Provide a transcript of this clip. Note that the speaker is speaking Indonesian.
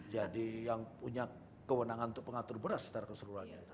jadi yang punya kewenangan untuk mengatur beras secara keseluruhannya